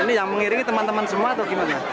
ini yang mengiringi teman teman semua atau gimana